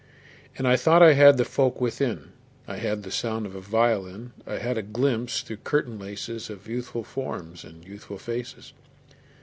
And I thought I had the folk within: I had the sound of a violin; I had a glimpse through curtain laces Of youthful forms and youthful faces.